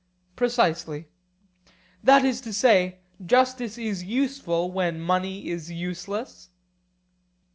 Precisely. That is to say, justice is useful when money is useless?